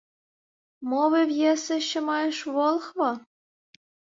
— Мовив єси, що маєш волхва.